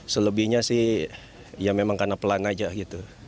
selebihnya sih ya memang karena pelan aja gitu